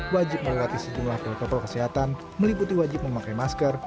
wajib melewati sejumlah protokol kesehatan meliputi wajib memakai masker